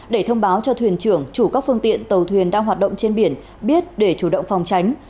để thông báo cho thuyền trưởng chủ các phương tiện tàu thuyền đang hoạt động trên biển biết để chủ động phòng tránh